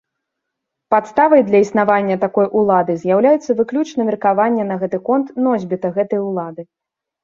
Падставай для існавання такой улады з'яўляецца выключна меркаванне на гэты конт носьбіта гэтай улады.